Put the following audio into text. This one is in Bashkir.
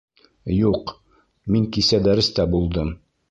Юҡ, мин кисә дәрестә булдым